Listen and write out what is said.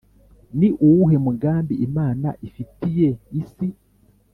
Ni uwuhe mugambi Imana ifitiye isi